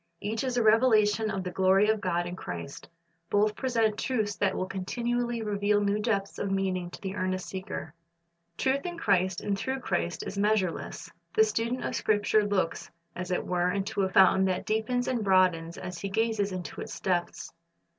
Each is a revelation of the glory of God in Christ. Both present truths that will continually reveal new depths of meaning to the earnest seeker. Truth in Christ and through Christ is measureless. The student of Scripture looks, as it were, into a fountain that deepens and broadens as he gazes into its depths.